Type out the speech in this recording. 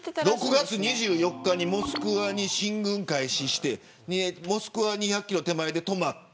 ６月２４日にモスクワに進軍を開始して２００キロ手前で止まった。